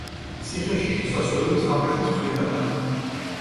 ციხეში შესასვლელი სამხრეთის მხრიდანაა.